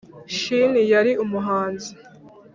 Shini yari umuhanuzi